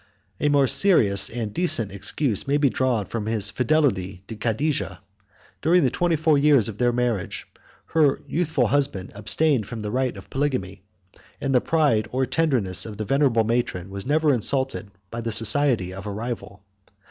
164 A more serious and decent excuse may be drawn from his fidelity to Cadijah. During the twenty four years of their marriage, her youthful husband abstained from the right of polygamy, and the pride or tenderness of the venerable matron was never insulted by the society of a rival.